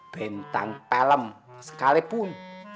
bentang pelem sekalipun